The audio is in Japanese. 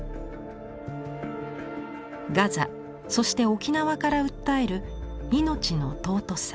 ガザそして沖縄から訴える命の尊さ。